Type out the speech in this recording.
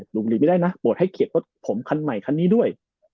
หนุ่มหลีไม่ได้นะโหวตให้เข็ดรถผมคันใหม่คันนี้ด้วย